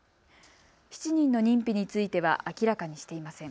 ７人の認否については明らかにしていません。